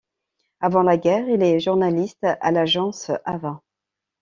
Avant la guerre, il est journaliste à l'Agence Havas.